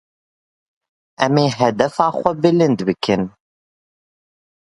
Em ê hedefa xwe bilind bikin.